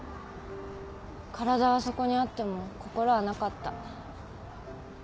体はそこにあっても心はなかった。